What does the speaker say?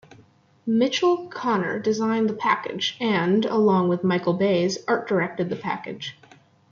Mitchell Kanner designed the package and, along with Michael Bays, art directed the package.